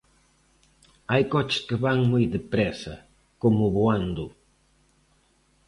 Hai coches que van moi de présa, como voando.